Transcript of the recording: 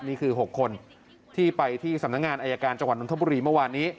นี่คือ๖คนที่ไปที่สำนักงานอายการจังหวัดนทบุรีเมื่อวานนี้